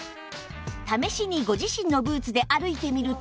試しにご自身のブーツで歩いてみると